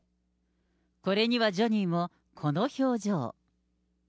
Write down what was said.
これにはジョニーもこの表情。